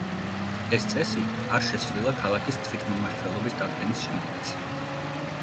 ეს წესი არ შეცვლილა ქალაქის თვითმმართველობის დადგენის შემდეგაც.